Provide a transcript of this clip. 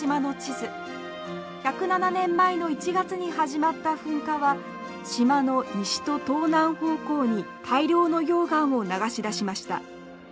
１０７年前の１月に始まった噴火は島の西と東南方向に大量の溶岩を流し出しました。